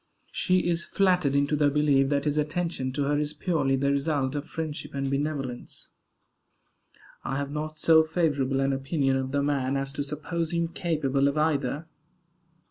She is flattered into the belief that his attention to her is purely the result of friendship and benevolence. I have not so favorable an opinion of the man as to suppose him capable of either.